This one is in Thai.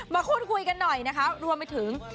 อ๋อมาคุณคุยกันหน่อยนะคะรวมไปถึง